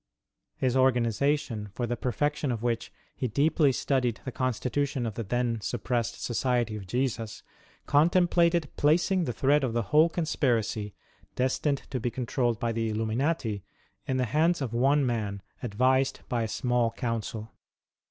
His organization — for the perfection of which he deeply studied the constitution of the then suppressed Society of Jesus — con templated placing the thread of the whole conspiracy, destined to THE CONVENT OF WILHELMSBAD. 35 be controlled by the lUuminati, in the hands of one man, advised by a small council.